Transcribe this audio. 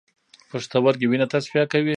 پښتورګي وینه تصفیه کوي